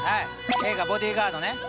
映画「ボディガード」ね。